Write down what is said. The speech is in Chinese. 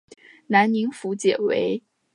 南宁府解围。